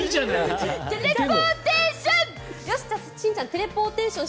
テレポーテーション！